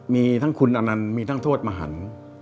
มีทั้งคุณอนันต์มีทั้งโทษมหัน